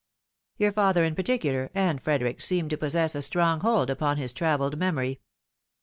Your father, in particular, and Frederick seemed to possess a strong hold upon \as, travelled memory."